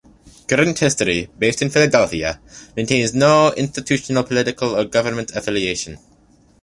"Current History", based in Philadelphia, maintains no institutional, political, or governmental affiliation.